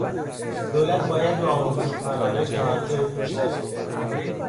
دولت باید به آموزش و پرورش توجه بیشتری بکند.